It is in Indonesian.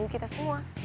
bagi kita semua